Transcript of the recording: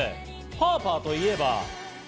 パーパーといえば。